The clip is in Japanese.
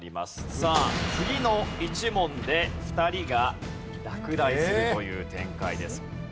さあ次の１問で２人が落第するという展開です。